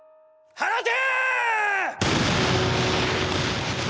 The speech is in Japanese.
放て！